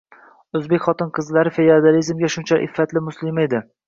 O’zbek xotin-qizlari feodalizmda shunchalar... iffatli muslima edimi?